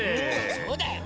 そうだよ。